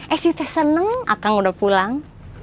eh si teh seneng akang udah pulang